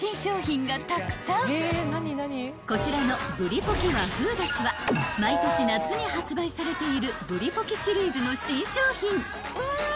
［こちらのぶりポキ和風出汁は毎年夏に発売されているぶりポキシリーズの新商品］